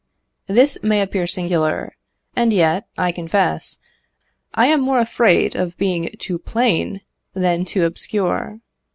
This may appear singular, and yet, I confess, I am more afraid of being too plain than too obscure.